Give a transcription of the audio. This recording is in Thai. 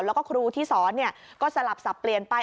แล้วก็ครูที่สอนก็สลับสับเปลี่ยนไป